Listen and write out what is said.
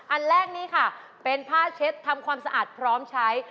อันแรกนี้ค่ะเป็นผ้าเช็ดทำความสะอาดพร้อมใช้